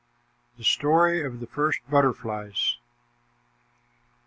THE STORY OF THE FIRST BUTTERFLIES.